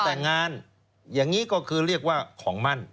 แต่งงานอย่างนี้ก็คือเรียกว่าของมั่น